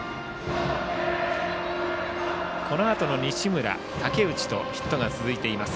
このあとの西村、竹内はヒットが続いています。